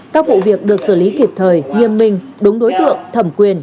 các vụ việc được xử lý kịp thời nghiêm minh đúng đối tượng thẩm quyền